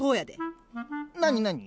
なになに？